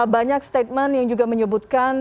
banyak statement yang juga menyebutkan